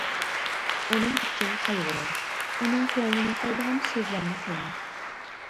ئۇنىڭ ئۈچۈن قايغۇرۇڭ، ئۇنىڭ كۆڭلىنى ياسايدىغان سۆزلەرنى قىلىڭ.